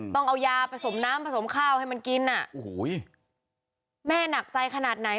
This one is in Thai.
ต้องเอายาผสมน้ำผสมข้าวให้มันกินอ่ะโอ้โหแม่หนักใจขนาดไหน